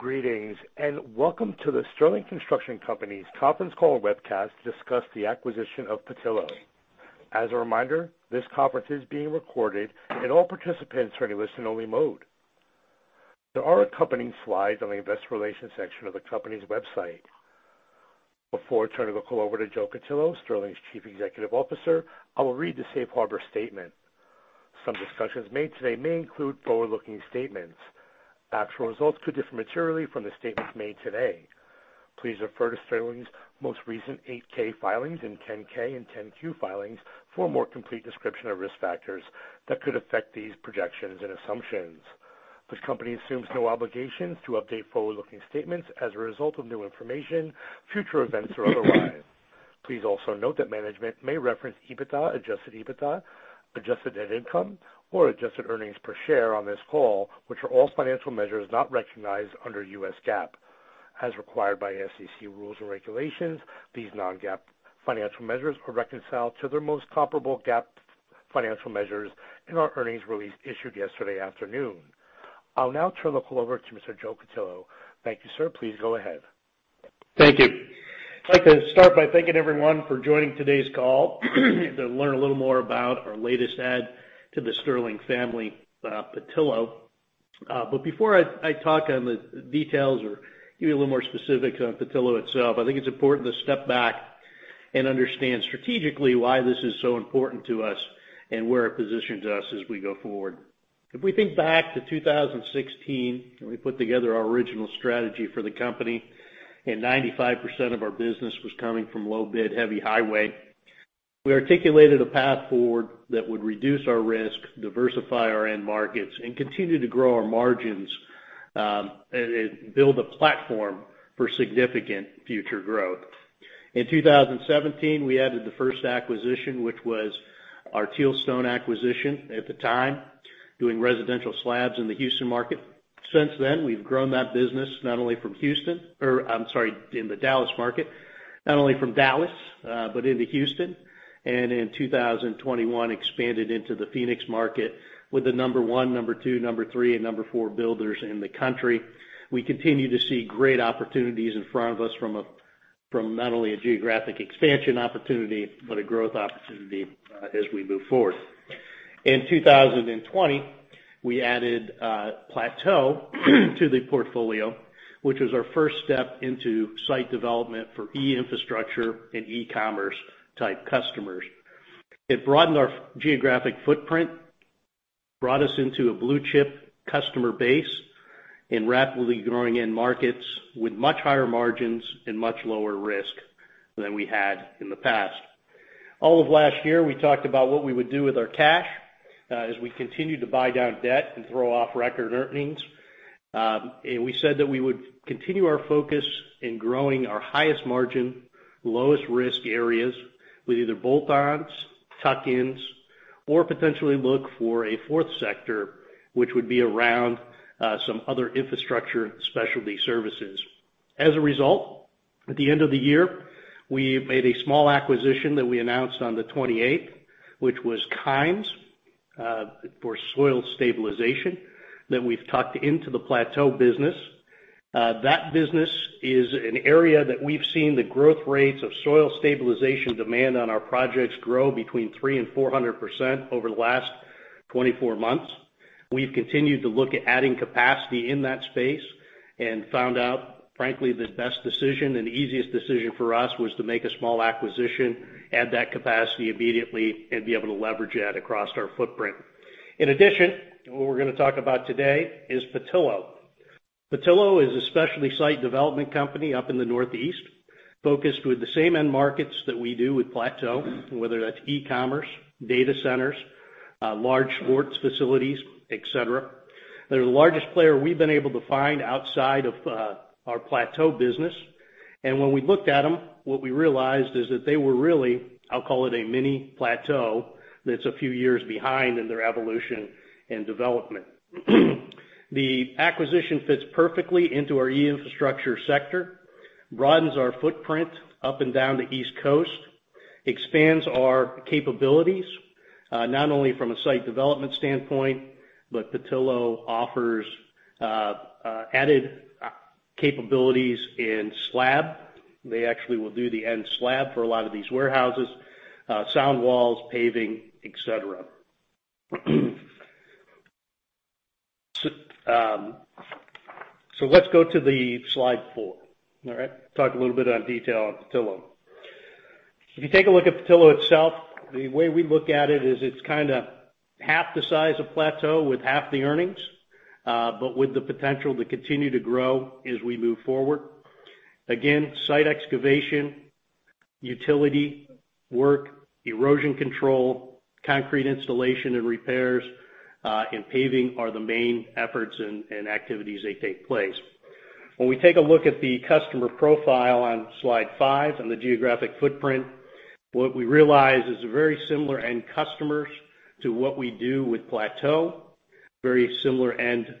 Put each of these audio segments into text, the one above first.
Greetings, and welcome to the Sterling Construction Company's conference call and webcast to discuss the acquisition of Petillo. As a reminder, this conference is being recorded and all participants are in a listen-only mode. There are accompanying slides on the investor relations section of the company's website. Before turning the call over to Joe Cutillo, Sterling's Chief Executive Officer, I will read the safe harbor statement. Some discussions made today may include forward-looking statements. Actual results could differ materially from the statements made today. Please refer to Sterling's most recent 8-K filings and 10-K and 10-Q filings for a more complete description of risk factors that could affect these projections and assumptions. This company assumes no obligations to update forward-looking statements as a result of new information, future events, or otherwise. Please also note that management may reference EBITDA, adjusted EBITDA, adjusted net income, or adjusted earnings per share on this call, which are all financial measures not recognized under U.S. GAAP. As required by SEC rules or regulations, these non-GAAP financial measures are reconciled to their most comparable GAAP financial measures in our earnings release issued yesterday afternoon. I'll now turn the call over to Mr. Joe Cutillo. Thank you, sir. Please go ahead. Thank you. I'd like to start by thanking everyone for joining today's call to learn a little more about our latest add to the Sterling family, Petillo. Before I talk about the details or give you a little more specifics on Petillo itself, I think it's important to step back and understand strategically why this is so important to us and where it positions us as we go forward. If we think back to 2016, when we put together our original strategy for the company, and 95% of our business was coming from low bid heavy highway, we articulated a path forward that would reduce our risk, diversify our end markets, and continue to grow our margins, and build a platform for significant future growth. In 2017, we added the first acquisition, which was our Tealstone acquisition at the time, doing residential slabs in the Houston market. Since then, we've grown that business in the Dallas market, not only from Dallas, but into Houston. In 2021, we expanded into the Phoenix market with the number one, number two, number three, and number four builders in the country. We continue to see great opportunities in front of us from not only a geographic expansion opportunity, but a growth opportunity, as we move forward. In 2020, we added Plateau to the portfolio, which was our first step into site development for E-Infrastructure and e-commerce type customers. It broadened our geographic footprint, brought us into a blue chip customer base in rapidly growing end markets with much higher margins and much lower risk than we had in the past. All of last year, we talked about what we would do with our cash, as we continued to buy down debt and throw off record earnings. We said that we would continue our focus in growing our highest margin, lowest risk areas with either bolt-ons, tuck-ins, or potentially look for a fourth sector, which would be around some other infrastructure specialty services. As a result, at the end of the year, we made a small acquisition that we announced on the 28th, which was Kimes for soil stabilization, that we've tucked into the Plateau business. That business is an area that we've seen the growth rates of soil stabilization demand on our projects grow 300%-400% over the last 24 months. We've continued to look at adding capacity in that space and found out, frankly, the best decision and easiest decision for us was to make a small acquisition, add that capacity immediately, and be able to leverage that across our footprint. In addition, what we're gonna talk about today is Petillo. Petillo is a specialty site development company up in the Northeast, focused with the same end markets that we do with Plateau, whether that's e-commerce, data centers, large sports facilities, et cetera. They're the largest player we've been able to find outside of our Plateau business. When we looked at them, what we realized is that they were really, I'll call it a mini Plateau, that's a few years behind in their evolution and development. The acquisition fits perfectly into our E-Infrastructure sector, broadens our footprint up and down the East Coast, expands our capabilities, not only from a site development standpoint, but Petillo offers added capabilities in slab. They actually will do the end slab for a lot of these warehouses, sound walls, paving, et cetera. Let's go to slide four. All right. Talk a little bit in detail on Petillo. If you take a look at Petillo itself, the way we look at it is it's kinda half the size of Plateau with half the earnings, but with the potential to continue to grow as we move forward. Again, site excavation, utility work, erosion control, concrete installation and repairs, and paving are the main efforts and activities that take place. When we take a look at the customer profile on slide five and the geographic footprint, what we realize is a very similar end customers to what we do with Plateau, very similar end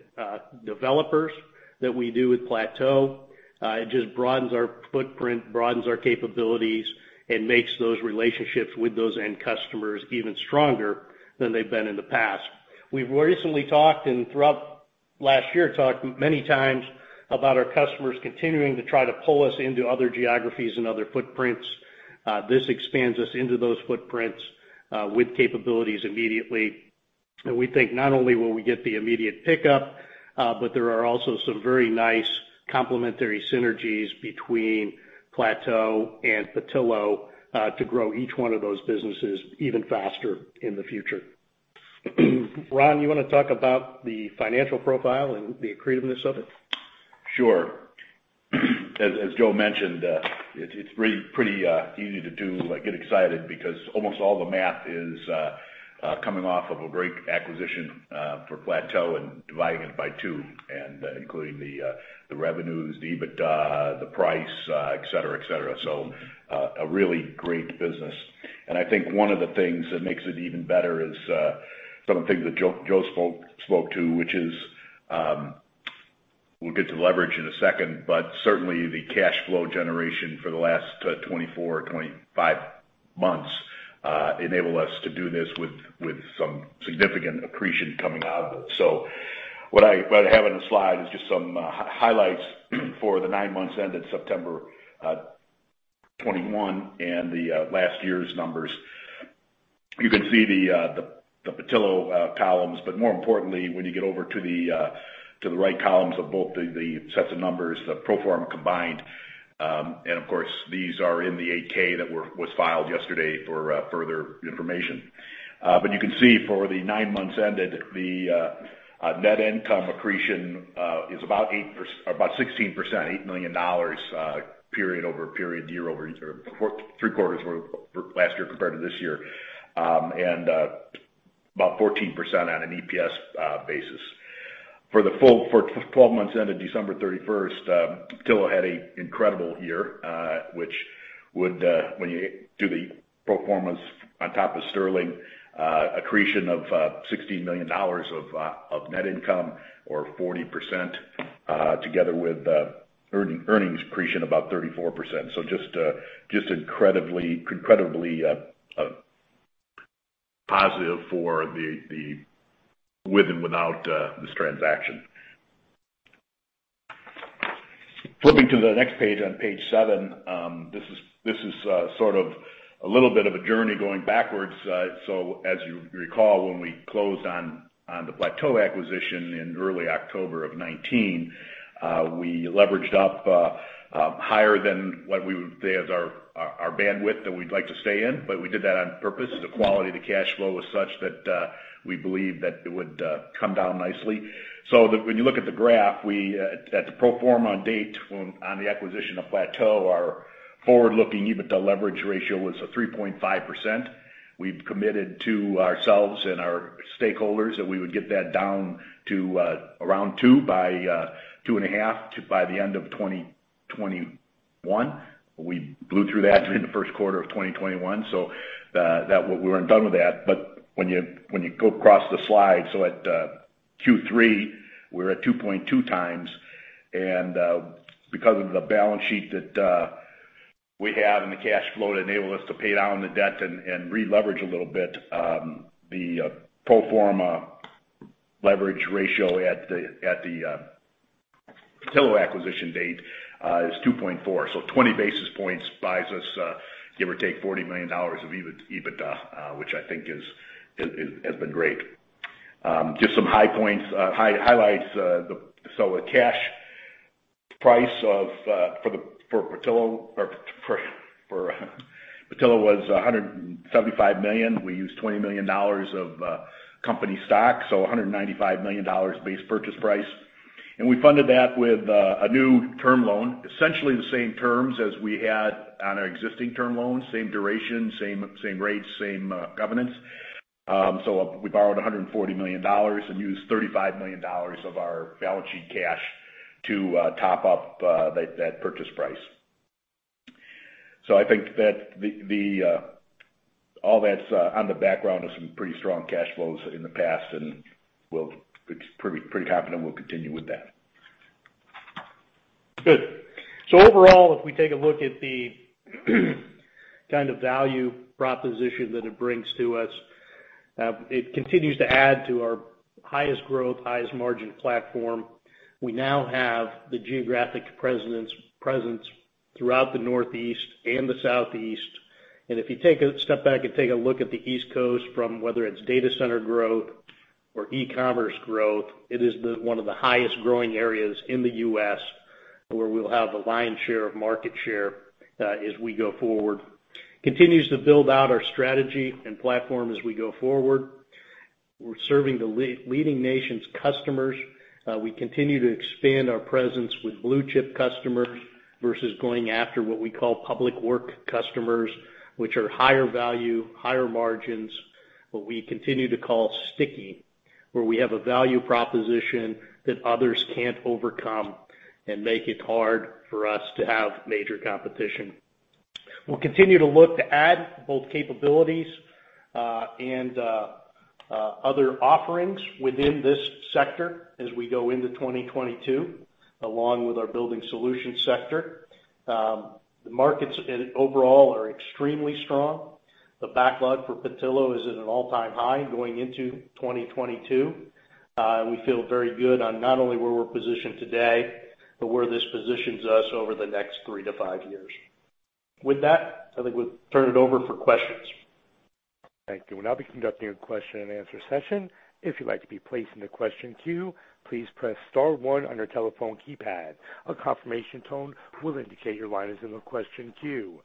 developers that we do with Plateau. It just broadens our footprint, broadens our capabilities, and makes those relationships with those end customers even stronger than they've been in the past. We've recently talked, and throughout last year, talked many times about our customers continuing to try to pull us into other geographies and other footprints. This expands us into those footprints with capabilities immediately. We think not only will we get the immediate pickup, but there are also some very nice complementary synergies between Plateau and Petillo to grow each one of those businesses even faster in the future. Ron, you wanna talk about the financial profile and the accretiveness of it? Sure. As Joe mentioned, it's pretty easy to do, like, get excited because almost all the math is coming off of a great acquisition for Plateau and dividing it by two and including the revenues, the EBITDA, the price, et cetera, et cetera. A really great business. I think one of the things that makes it even better is some of the things that Joe spoke to, which is, we'll get to leverage in a second. But certainly, the cash flow generation for the last 24-25 months enable us to do this with some significant accretion coming out of it. What I have on the slide is just some highlights for the nine months ended September 2021 and the last year's numbers. You can see the Petillo columns, but more importantly, when you get over to the right columns of both the sets of numbers, the pro forma combined, and of course, these are in the 8-K that was filed yesterday for further information. But you can see for the nine months ended, the net income accretion is about 16%, $8 million period-over-period, year-over-year, or three quarters for last year compared to this year, and about 14% on an EPS basis. For 12 months ended December 31st, Petillo had an incredible year, which would, when you do the pro formas on top of Sterling, accretion of $60 million of net income or 40%, together with earnings accretion, about 34%. Just incredibly positive for the with and without this transaction. Flipping to the next page, on page seven, this is sort of a little bit of a journey going backwards. As you recall, when we closed on the Plateau acquisition in early October 2019, we leveraged up higher than what we would say is our bandwidth that we'd like to stay in, but we did that on purpose. The quality of the cash flow was such that we believed that it would come down nicely. When you look at the graph, at the pro forma as-of-date on the acquisition of Plateau, our forward-looking EBITDA leverage ratio was 3.5x. We've committed to ourselves and our stakeholders that we would get that down to around 2x-2.5x by the end of 2021. We blew through that during the first quarter of 2021, so that we weren't done with that. When you go across the slide, at Q3, we're at 2.2x. Because of the balance sheet that we have and the cash flow that enabled us to pay down the debt and releverage a little bit, the pro forma leverage ratio at the Petillo acquisition date is 2.4x. Twenty basis points buys us, give or take $40 million of EBITDA, which I think has been great. Just some highlights. A cash price for Petillo was $175 million. We used $20 million of company stock, so $195 million base purchase price. We funded that with a new term loan, essentially the same terms as we had on our existing term loans, same duration, same rates, same governance. We borrowed $140 million and used $35 million of our balance sheet cash to top up that purchase price. I think that all that's against the background of some pretty strong cash flows in the past, and we're pretty confident we'll continue with that. Good. Overall, if we take a look at the kind of value proposition that it brings to us, it continues to add to our highest growth, highest margin platform. We now have the geographic presence throughout the Northeast and the Southeast. If you take a step back and take a look at the East Coast from whether it's data center growth or e-commerce growth, it is the one of the highest growing areas in the U.S., where we'll have the lion's share of market share as we go forward, continues to build out our strategy and platform as we go forward. We're serving the leading national customers. We continue to expand our presence with blue-chip customers versus going after what we call public work customers, which are higher value, higher margins, what we continue to call sticky, where we have a value proposition that others can't overcome and make it hard for us to have major competition. We'll continue to look to add both capabilities and other offerings within this sector as we go into 2022. Along with our Building Solutions sector. The markets overall are extremely strong. The backlog for Petillo is at an all-time high going into 2022. We feel very good on not only where we're positioned today, but where this positions us over the next three to five years. With that, I think we'll turn it over for questions. Thank you. We'll now be conducting a question-and-answer session. If you'd like to be placed in the question queue, please press star one on your telephone keypad. A confirmation tone will indicate your line is in the question queue.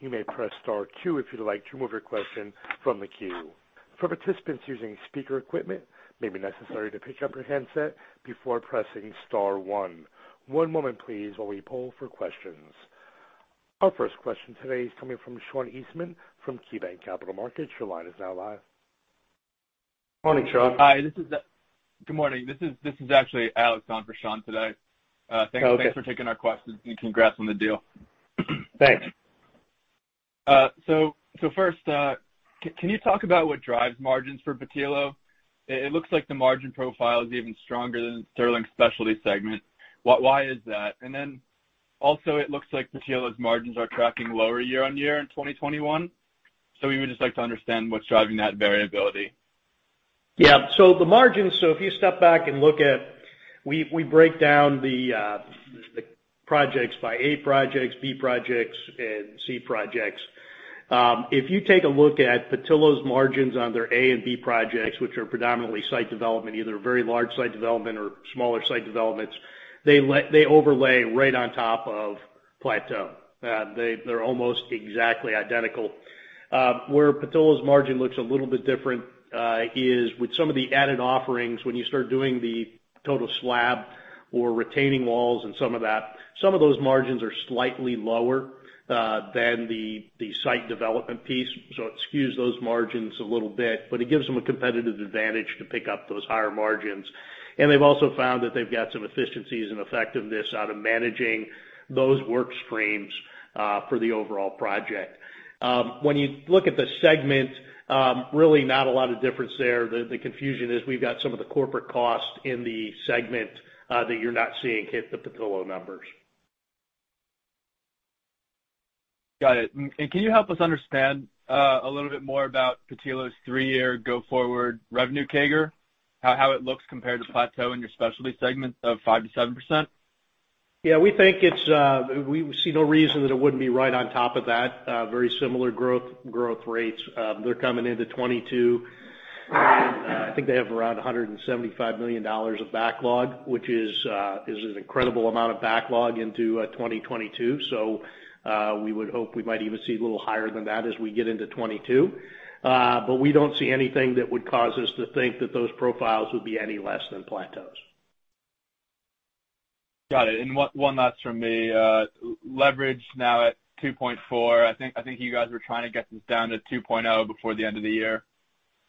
You may press star two if you'd like to remove your question from the queue. For participants using speaker equipment, it may be necessary to pick up your handset before pressing star one. One moment, please, while we poll for questions. Our first question today is coming from Sean Eastman from KeyBanc Capital Markets. Your line is now live. Morning, Sean. Hi, good morning. This is actually Alex on for Sean today. Okay. Thanks for taking our questions, and congrats on the deal. Thanks. Can you talk about what drives margins for Petillo? It looks like the margin profile is even stronger than Sterling Specialty segment. Why is that? It looks like Petillo's margins are tracking lower year-on-year in 2021. We would just like to understand what's driving that variability. The margins, if you step back and look at, we break down the projects by A projects, B projects, and C projects. If you take a look at Petillo's margins on their A and B projects, which are predominantly site development, either very large site development or smaller site developments, they overlay right on top of Plateau. They're almost exactly identical. Where Petillo's margin looks a little bit different is with some of the added offerings. When you start doing the total slab or retaining walls and some of that, some of those margins are slightly lower than the site development piece. It skews those margins a little bit, but it gives them a competitive advantage to pick up those higher margins. They've also found that they've got some efficiencies and effectiveness out of managing those work streams for the overall project. When you look at the segment, really not a lot of difference there. The confusion is we've got some of the corporate costs in the segment that you're not seeing hit the Petillo numbers. Got it. Can you help us understand a little bit more about Petillo's three-year go forward revenue CAGR, how it looks compared to Plateau in your specialty segment of 5%-7%? Yeah, we think it's, we see no reason that it wouldn't be right on top of that, very similar growth rates. They're coming into 2022, and I think they have around $175 million of backlog, which is an incredible amount of backlog into 2022. We would hope we might even see a little higher than that as we get into 2022. We don't see anything that would cause us to think that those profiles would be any less than Plateau's. Got it. One last from me. Leverage now at 2.4x. I think you guys were trying to get this down to 2.0x before the end of the year.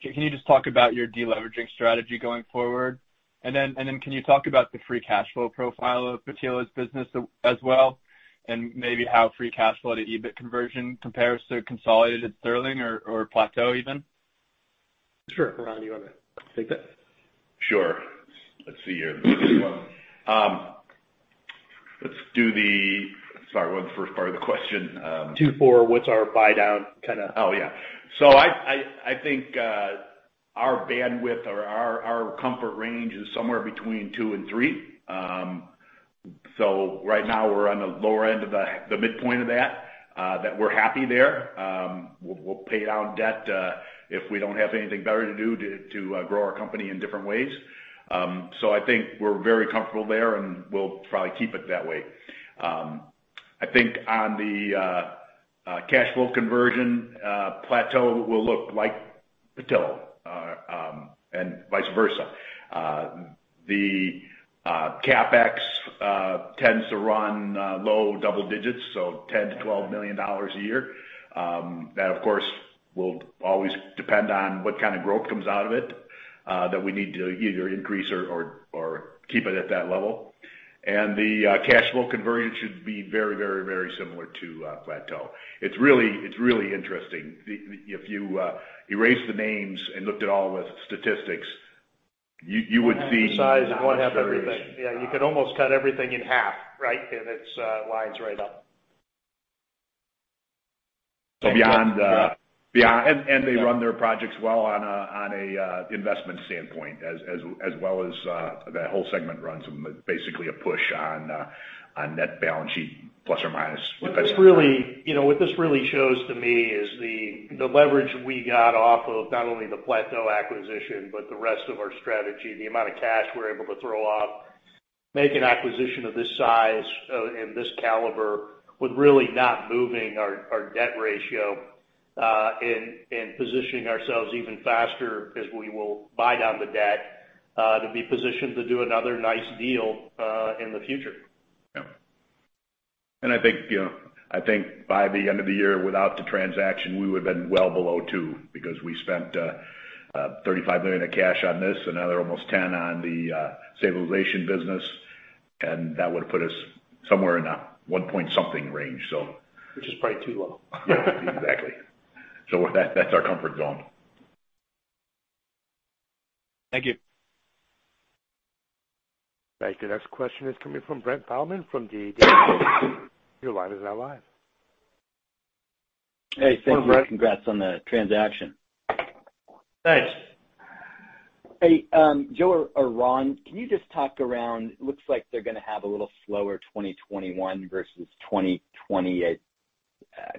Can you just talk about your deleveraging strategy going forward? Can you talk about the free cash flow profile of Petillo's business as well, and maybe how free cash flow to EBIT conversion compares to consolidated Sterling or Plateau even? Sure. Ron, you wanna take that? Sure. Let's see here. Sorry, what was the first part of the question? 24, what's our buy-down kind of Oh, yeah. I think our bandwidth or our comfort range is somewhere between 2 and 3. Right now we're on the lower end of the midpoint of that, but we're happy there. We'll pay down debt if we don't have anything better to do to grow our company in different ways. I think we're very comfortable there, and we'll probably keep it that way. I think on the cash flow conversion, Plateau will look like Petillo, and vice versa. The CapEx tends to run low double digits, so $10 million-$12 million a year. That of course will always depend on what kind of growth comes out of it, that we need to either increase or keep it at that level. The cash flow conversion should be very similar to Plateau. It's really interesting. If you erase the names and looked at all the statistics, you would see- One half the size and one half everything. Yeah, you could almost cut everything in half, right, and it's lines right up. Beyond, they run their projects well on a investment standpoint, as well as that whole segment runs basically a push on net balance sheet, plus or minus. What this really shows to me, you know, is the leverage we got off of not only the Plateau acquisition, but the rest of our strategy, the amount of cash we're able to throw off, make an acquisition of this size and this caliber with really not moving our debt ratio, and positioning ourselves even faster as we will buy down the debt to be positioned to do another nice deal in the future. I think, you know, by the end of the year, without the transaction, we would've been well below two because we spent $35 million of cash on this, another almost $10 million on the stabilization business, and that would've put us somewhere in a 1-point-something range. Which is probably too low. Yeah, exactly. That, that's our comfort zone. Thank you. Thank you. Next question is coming from Brent Thielman from D.A. Davidson. Your line is now live. Hey. Thank you. Hello, Brent. Congrats on the transaction. Thanks. Hey, Joe or Ron, can you just talk around it. It looks like they're gonna have a little slower 2021 versus 2020.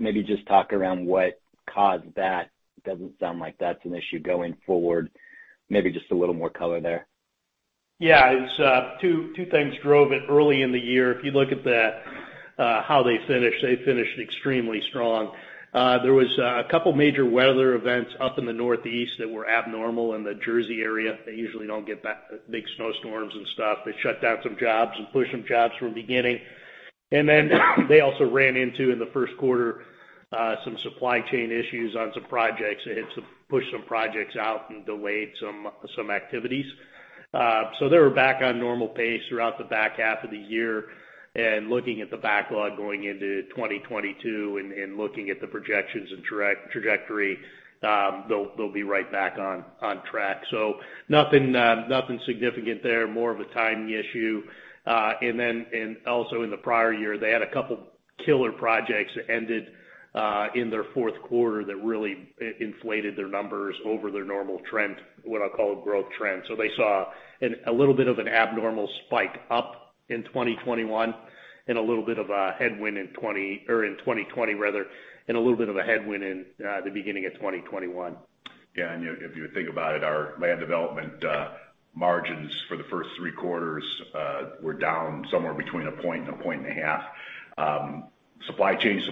Maybe just talk around what caused that. Doesn't sound like that's an issue going forward. Maybe just a little more color there. It's two things drove it early in the year. If you look at the how they finished, they finished extremely strong. There was a couple major weather events up in the Northeast that were abnormal in the Jersey area. They usually don't get that big snowstorms and stuff. They shut down some jobs and pushed some jobs from beginning. Then they also ran into, in the first quarter, some supply chain issues on some projects. They had to push some projects out and delayed some activities. They were back on normal pace throughout the back half of the year. Looking at the backlog going into 2022 and looking at the projections and trajectory, they'll be right back on track. Nothing significant there, more of a timing issue. Also in the prior year, they had a couple killer projects that ended in their fourth quarter that really inflated their numbers over their normal trend, what I'll call a growth trend. They saw a little bit of an abnormal spike up in 2021 and a little bit of a headwind in 2020 rather, and a little bit of a headwind in the beginning of 2021. Yeah. If you think about it, our land development margins for the first three quarters were down somewhere between 1% and 1.5%. Supply chain. It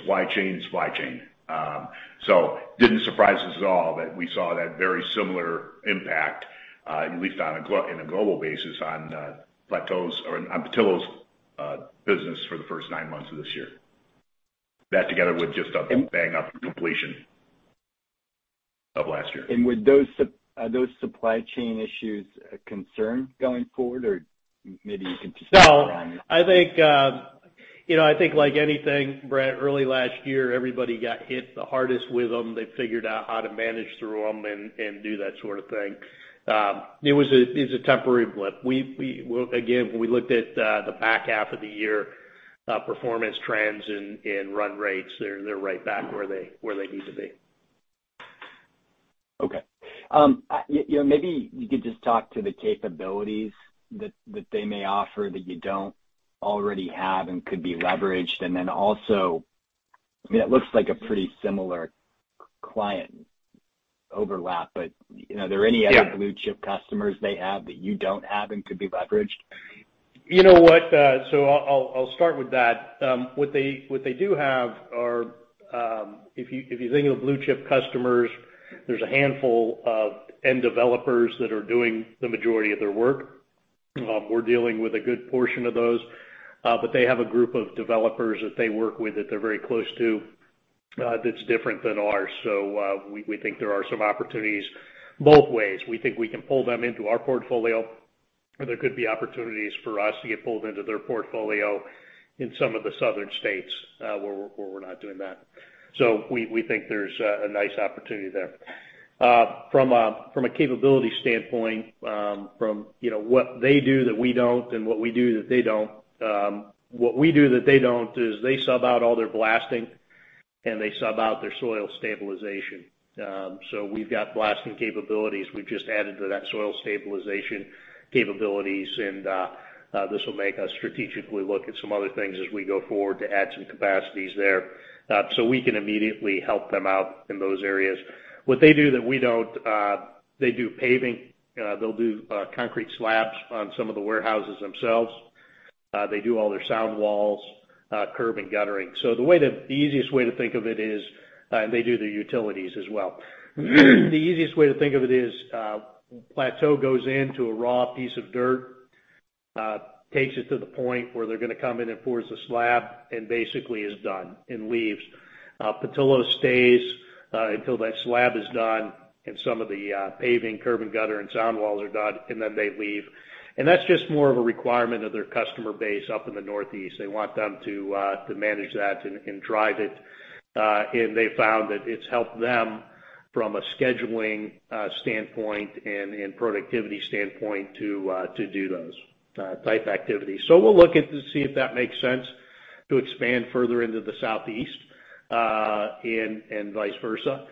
didn't surprise us at all that we saw that very similar impact, at least on a global basis, on Plateau's or on Petillo's business for the first nine months of this year. That together with just a bang-up completion of last year. Are those supply chain issues a concern going forward? Or maybe you can just- No. I think, you know, I think like anything, Brent, early last year, everybody got hit the hardest with them. They figured out how to manage through them and do that sort of thing. It's a temporary blip. Well, again, we looked at the back half of the year, performance trends and run rates. They're right back where they need to be. Okay. You know, maybe you could just talk to the capabilities that they may offer that you don't already have and could be leveraged. And then also, I mean, it looks like a pretty similar client overlap, but, you know, are there any other- Yeah Blue chip customers they have that you don't have and could be leveraged? You know what? I'll start with that. What they do have are, if you think of blue chip customers, there's a handful of end developers that are doing the majority of their work. We're dealing with a good portion of those, but they have a group of developers that they work with that they're very close to, that's different than ours. We think there are some opportunities both ways. We think we can pull them into our portfolio, or there could be opportunities for us to get pulled into their portfolio in some of the southern states, where we're not doing that. We think there's a nice opportunity there. From a capability standpoint, you know, what they do that we don't and what we do that they don't, what we do that they don't is they sub out all their blasting and they sub out their soil stabilization. We've got blasting capabilities. We've just added to that soil stabilization capabilities. This will make us strategically look at some other things as we go forward to add some capacities there, so we can immediately help them out in those areas. What they do that we don't, they do paving. They'll do concrete slabs on some of the warehouses themselves. They do all their sound walls, curb and guttering. The easiest way to think of it is, and they do their utilities as well. The easiest way to think of it is, Plateau goes into a raw piece of dirt, takes it to the point where they're gonna come in and pour us a slab and basically is done and leaves. Petillo stays, until that slab is done and some of the paving, curb and gutter and sound walls are done, and then they leave. That's just more of a requirement of their customer base up in the Northeast. They want them to manage that and drive it. They found that it's helped them from a scheduling standpoint and productivity standpoint to do those type activities. We'll look at to see if that makes sense to expand further into the Southeast, and vice versa.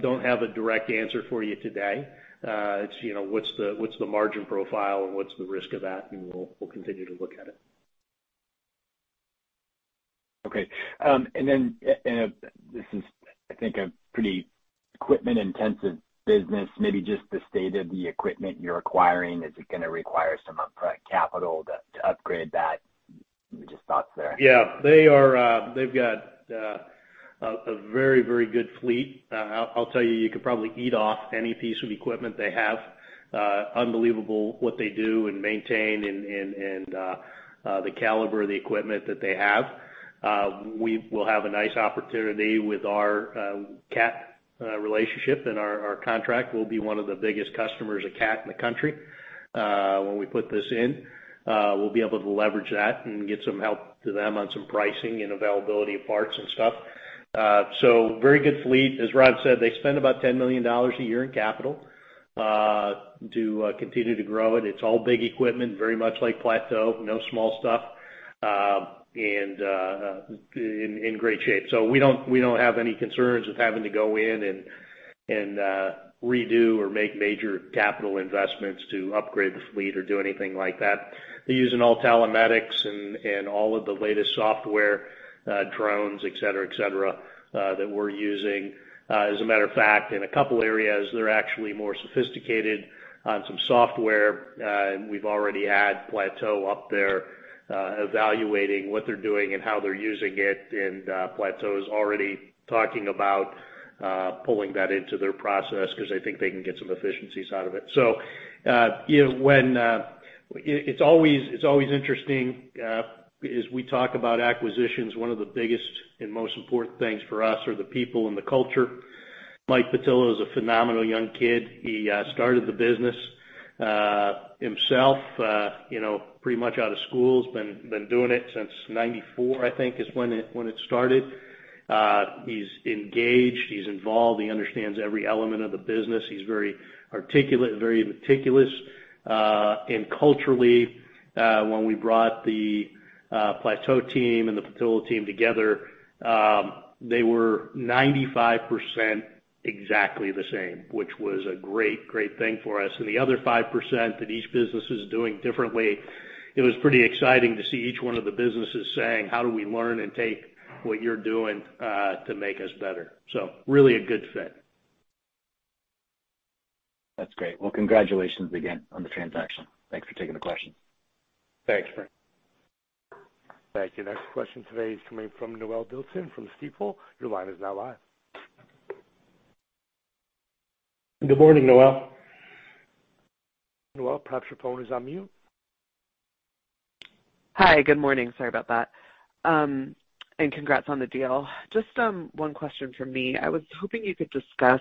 Don't have a direct answer for you today. It's, you know, what's the margin profile and what's the risk of that, and we'll continue to look at it. This is, I think, a pretty equipment-intensive business, maybe just the state of the equipment you're acquiring. Is it gonna require some upfront capital to upgrade that? Just thoughts there. Yeah. They are, they've got a very good fleet. I'll tell you could probably eat off any piece of equipment they have. Unbelievable what they do and maintain and the caliber of the equipment that they have. We will have a nice opportunity with our Cat relationship, and our contract. We'll be one of the biggest customers of Cat in the country when we put this in. We'll be able to leverage that and get some help to them on some pricing and availability of parts and stuff. So very good fleet. As Rob said, they spend about $10 million a year in capital to continue to grow it. It's all big equipment, very much like Plateau, no small stuff, and in great shape. We don't have any concerns with having to go in and redo or make major capital investments to upgrade the fleet or do anything like that. They're using all telematics and all of the latest software, drones, et cetera, that we're using. As a matter of fact, in a couple areas, they're actually more sophisticated on some software. We've already had Plateau up there evaluating what they're doing and how they're using it. Plateau is already talking about pulling that into their process 'cause they think they can get some efficiencies out of it. It's always interesting as we talk about acquisitions, one of the biggest and most important things for us are the people and the culture. Mike Petillo is a phenomenal young kid. He started the business himself, you know, pretty much out of school. He's been doing it since 1994, I think is when it started. He's engaged, he's involved, he understands every element of the business. He's very articulate, very meticulous. And culturally, when we brought the Plateau team and the Petillo team together, they were 95% exactly the same, which was a great thing for us. The other 5% that each business is doing differently, it was pretty exciting to see each one of the businesses saying, "How do we learn and take what you're doing to make us better?" Really a good fit. That's great. Well, congratulations again on the transaction. Thanks for taking the question. Thanks, Brent. Thank you. Next question today is coming from Noelle Dilts in from Stifel. Your line is now live. Good morning, Noelle. Noelle Dilts, perhaps your phone is on mute. Hi. Good morning. Sorry about that. Congrats on the deal. Just one question from me. I was hoping you could discuss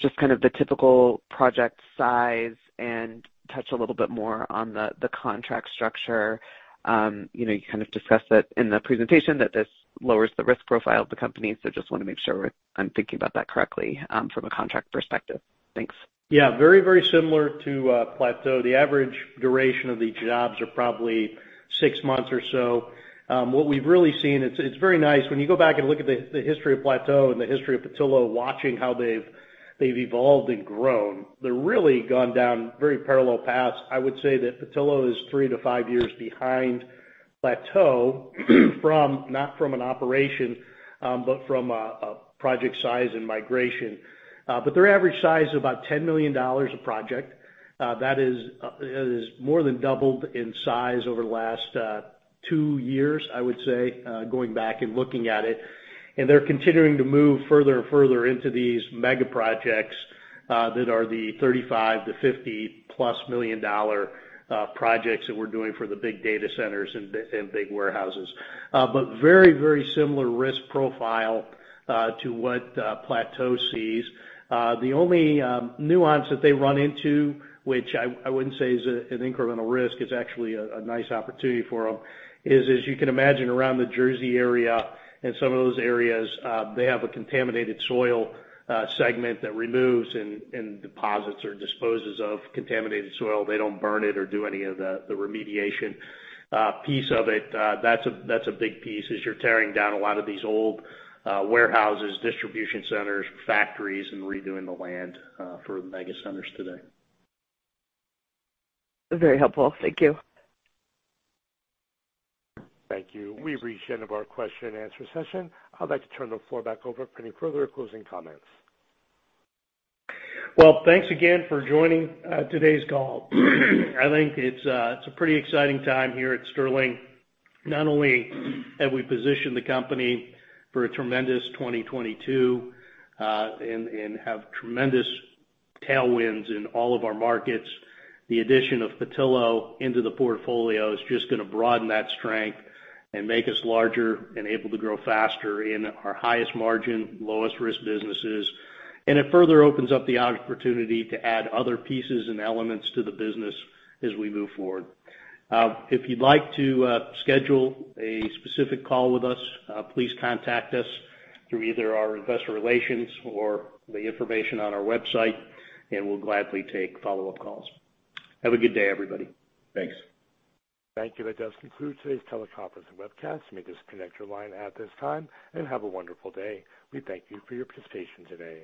just kind of the typical project size and touch a little bit more on the contract structure. You know, you kind of discussed that in the presentation that this lowers the risk profile of the company, so just wanna make sure I'm thinking about that correctly from a contract perspective. Thanks. Yeah. Very, very similar to Plateau. The average duration of the jobs are probably six months or so. What we've really seen, it's very nice. When you go back and look at the history of Plateau and the history of Petillo, watching how they've evolved and grown, they've really gone down very parallel paths. I would say that Petillo is three to five years behind Plateau not from an operation, but from a project size and migration. But their average size is about $10 million a project. That has more than doubled in size over the last two years, I would say, going back and looking at it. They're continuing to move further and further into these mega projects that are the $35 million-$50+ million projects that we're doing for the big data centers and big warehouses. But very, very similar risk profile to what Plateau sees. The only nuance that they run into, which I wouldn't say is an incremental risk, it's actually a nice opportunity for them is, as you can imagine around the Jersey area and some of those areas, they have a contaminated soil segment that removes and deposits or disposes of contaminated soil. They don't burn it or do any of the remediation piece of it. That's a big piece as you're tearing down a lot of these old warehouses, distribution centers, factories, and redoing the land for the mega centers today. Very helpful. Thank you. Thank you. We've reached the end of our question and answer session. I'd like to turn the floor back over for any further closing comments. Well, thanks again for joining today's call. I think it's a pretty exciting time here at Sterling. Not only have we positioned the company for a tremendous 2022, and have tremendous tailwinds in all of our markets, the addition of Petillo into the portfolio is just gonna broaden that strength and make us larger and able to grow faster in our highest margin, lowest risk businesses. It further opens up the opportunity to add other pieces and elements to the business as we move forward. If you'd like to schedule a specific call with us, please contact us through either our investor relations or the information on our website, and we'll gladly take follow-up calls. Have a good day, everybody. Thanks. Thank you. That does conclude today's teleconference and webcast. You may disconnect your line at this time, and have a wonderful day. We thank you for your participation today.